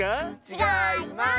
ちがいます。